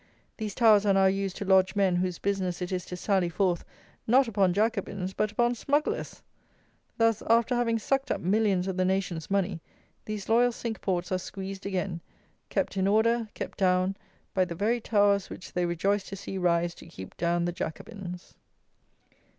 These towers are now used to lodge men, whose business it is to sally forth, not upon Jacobins, but upon smugglers! Thus, after having sucked up millions of the nation's money, these loyal Cinque Ports are squeezed again: kept in order, kept down, by the very towers which they rejoiced to see rise to keep down the Jacobins.